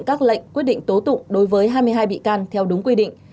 các lệnh quyết định tố tụng đối với hai mươi hai bị can theo đúng quy định